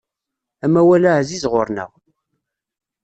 Amawal-a ɛziz ɣur-neɣ.